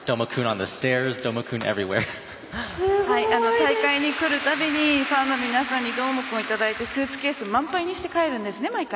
大会に来るたびにファンの皆さんにどーもくんをいただいてスーツケース満杯にして帰るんですね、毎回。